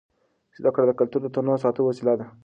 زده کړه د کلتوري تنوع د ساتلو وسیله ده.